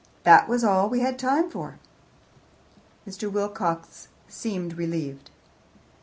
That was all we had time for." Mr. Wilcox seemed relieved.